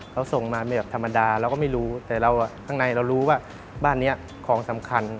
เขาส่งมาแบบธรรมดาเราก็ไม่รู้แต่เราข้างในเรารู้ว่าบ้านนี้ของสำคัญ